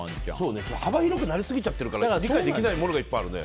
幅広くなりすぎちゃっているから理解できないものがいっぱいあるね。